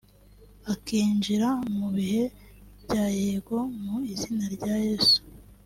akinjira mu bihe bya yego mu izina rya yesu